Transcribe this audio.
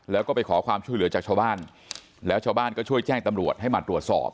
แล้วก็ไปขอความช่วยเหลือจากชาวบ้านแล้วชาวบ้านก็ช่วยแจ้งตำรวจให้มาตรวจสอบ